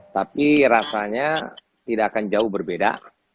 tapi rasanya tidak akan jauh berbeda